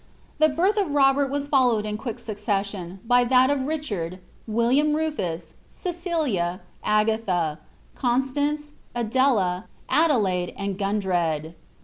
The binh of Robert was followed in quick succession fay that of Rieli&rd. VV ill tarn It ufus, Cecilia, Agatha, Constance, Adela, Adelaide, and Gundred.